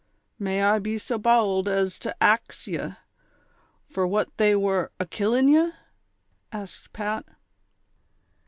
" May I be so bould as to axe ye, fur what they were akillin' ye V " asked Pat.